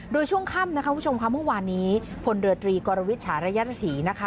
โดยช่วงค่ำนะคะคุณผู้ชมค่ะเมื่อวานนี้พลเรือตรีกรวิทฉาระยะรสีนะคะ